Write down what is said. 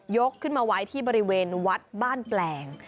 ขึ้นมาไว้ที่บริเวณวัดบ้านแปลง